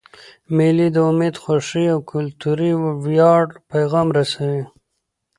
مېلې د امید، خوښۍ، او کلتوري ویاړ پیغام رسوي.